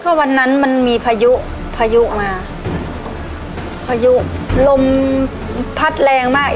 ก็วันนั้นมันมีพายุพายุมาพายุลมพัดแรงมาก